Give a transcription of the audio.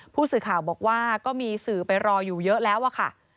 ผู้สื่อข่าวบอกว่าก็มีสื่อไปรออยู่เยอะแล้วอะค่ะ